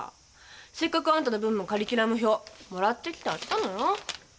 せっかくあんたの分もカリキュラム表もらってきてあげたのよ。